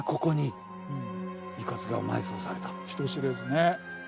人知れずね。